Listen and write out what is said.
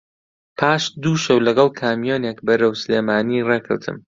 پاش دوو شەو لەگەڵ کامیۆنێک بەرەو سلێمانی ڕێ کەوتم